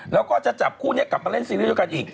แล้วก็จะจับคู่นี้กลับมาเล่นซีรีส์ด้วยกันอีก